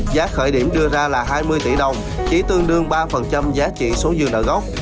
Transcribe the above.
giá khởi điểm đưa ra là hai mươi tỷ đồng chỉ tương đương ba giá trị số dư nợ gốc